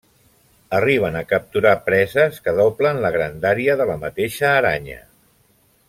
Arriben a capturar preses que doblen la grandària de la mateixa aranya.